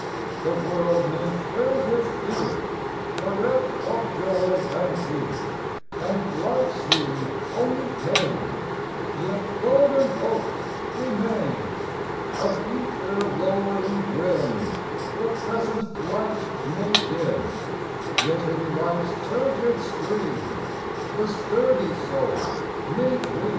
The world may thrill with fear, Bereft of joy and cheer, And life seem only pain Yet golden hopes remain. A future lowering grim The present light may dim, Yet in life s turgid stream The sturdy soul may dream.